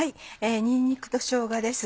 にんにくとしょうがです。